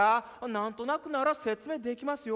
なんとなくなら説明できますよ。